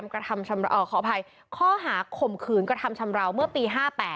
ข้อหาคอบคืนกระทำชำราวเมื่อปี๕๘